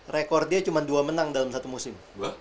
rekor dia cuma dua menang dalam satu musim